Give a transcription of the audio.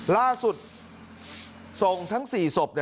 ล่าสุดที่ส่งทันมึง๔ศพ